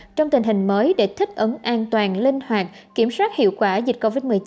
trong tình hình mới để thích ứng an toàn linh hoạt kiểm soát hiệu quả dịch covid một mươi chín